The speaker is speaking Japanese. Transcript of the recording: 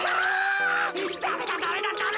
ダメだダメだダメだ。え。